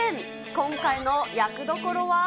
今回の役どころは。